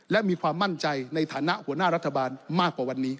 และมีความมั่นใจในฐานะหัวหน้ารัฐบาลมากกว่าวันนี้